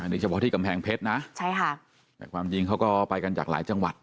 นี่เฉพาะที่กำแพงเพชรนะใช่ค่ะแต่ความจริงเขาก็ไปกันจากหลายจังหวัด